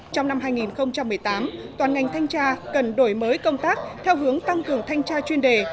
trong năm hai nghìn một mươi tám toàn ngành thanh tra cần đổi mới công tác theo hướng tăng cường thanh tra chuyên đề